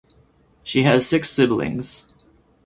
She has six siblings.